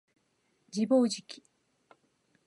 自暴自棄